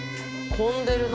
混んでるな。